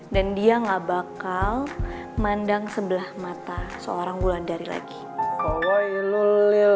dan dia gak bakal mandang sebelah mata seorang gulandari lagi